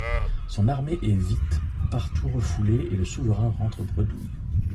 Son armée est vite partout refoulée et le souverain rentre bredouille.